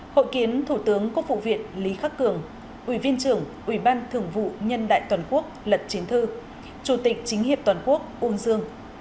hội kiến thủ tướng quốc phụ việt lý khắc cường ủy viên trưởng ủy ban thường vụ nhân đại toàn quốc lật chiến thư chủ tịch chính hiệp toàn quốc ún dương